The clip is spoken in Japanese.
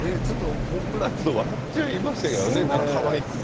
僕らは笑ってしまいましたけど、かわいくって。